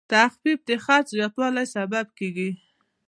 تخفیف د خرڅ زیاتوالی سبب کېږي.